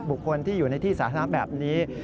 บุคคลที่อยู่ในที่สาธารณะแบบนี้